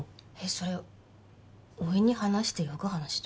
それおいに話してよか話と？